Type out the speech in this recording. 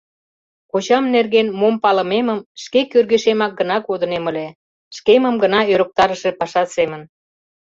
Кочам нерген мом палымемым шке кӧргешемак гына кодынем ыле – шкемым гына ӧрыктарыше паша семын.